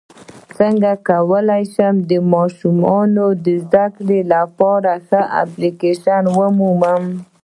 څنګه کولی شم د ماشومانو د زدکړې لپاره ښه اپلیکیشن ومومم